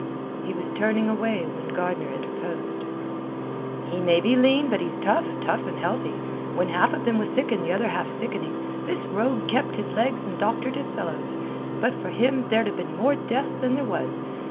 He was turning away when Gardner interposed. "He maybe lean, but he's tough; tough and healthy. When half of them was sick and the other half sickening, this rogue kept his legs and doctored his fellows. But for him there'd ha' been more deaths than there was.